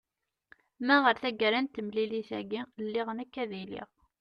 ma ɣer tagara n temlilit-agi lliɣ nekk ad iliɣ